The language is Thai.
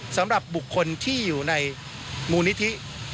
สำหรับบุคคลที่อยู่ในมูลนิธิ